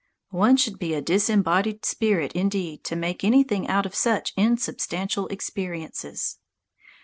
One should be a disembodied spirit indeed to make anything out of such insubstantial experiences.